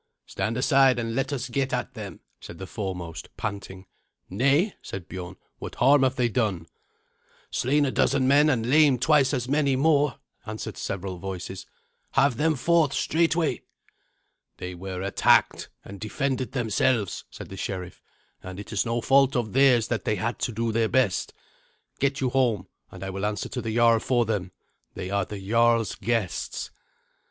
"Stand aside and let us get at them," said the foremost, panting. "Nay," said Biorn; "what harm have they done?" "Slain a dozen men and lamed twice as many more," answered several voices; "have them forth straightway." "They were attacked, and defended themselves," said the sheriff, "and it is no fault of theirs that they had to do their best. Get you home, and I will answer to the jarl for them. They are the jarl's guests."